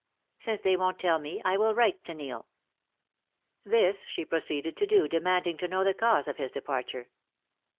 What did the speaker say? Since they won't tell me I will write to Neil." This she proceeded to do, demanding to know the cause of his departure.